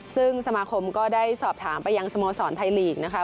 ซึ่งสมาคมก็ได้สอบถามไปยังสโมสรไทยลีกนะคะ